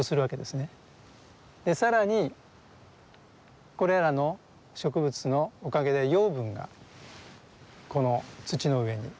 更にこれらの植物のおかげで養分がこの土の上に浸透する。